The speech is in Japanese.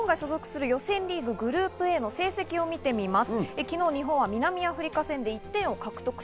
日本が所属する予選リーググループＡの成績を見てみます。